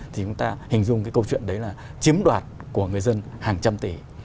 thì chúng ta hình dung cái câu chuyện đấy là chiếm đoạt của người dân hàng trăm tỷ